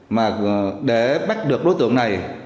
mà để bắt được đối tượng này